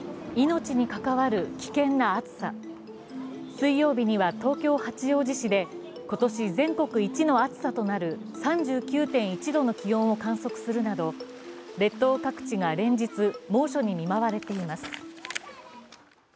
水曜日には東京・八王子市で今年、全国一の暑さとなる３９．１度の気温を観測するなど列島各地が連日、猛暑に見舞われています。